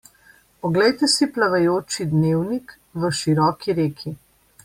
Oglejte si plavajoči dnevnik v široki reki.